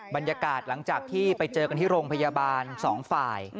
บรรยากาศหลังจากที่ไปเจอกันที่โรงพยาบาลสองฝ่าย